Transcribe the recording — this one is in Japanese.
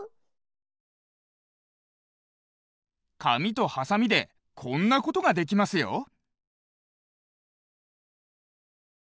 かみとはさみでこんなことができますよ。